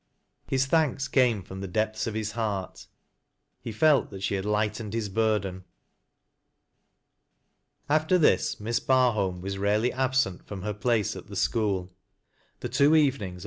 His thanks came from ^lie depths of his heart ; he felt thai she had lightened his burden. After this, Miss Barholm was rarely absent from hei place at the school. The two evenings a.'